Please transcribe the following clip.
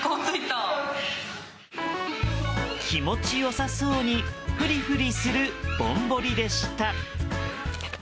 気持ちよさそうにフリフリするぼんぼりでした。